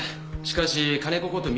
しかし金子こと